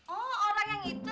oh orang yang itu